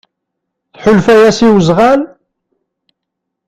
Tḥulfa-yas i wezɣal?